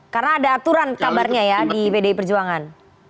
karena ada aturan kabarnya ya di pdi perjuangan